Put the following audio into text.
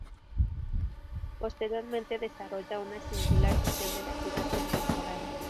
Posteriormente desarrolla una singular visión de la ciudad contemporánea.